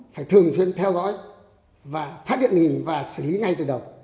phải thường xuyên theo dõi và phát hiện nhìn và xử lý ngay từ đầu